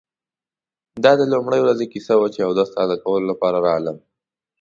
دا د لومړۍ ورځې کیسه وه چې اودس تازه کولو لپاره راغلم.